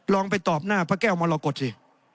ลองไปตอบหน้าพระแก้วมรกฏสิ